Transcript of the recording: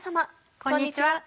こんにちは。